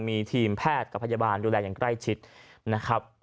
มีทีมแพทย์กับพยาบาลดูแลอย่างใกล้ชิดนะครับ